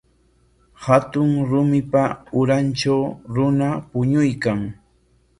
Hatun rumipa urantraw runa puñuykan.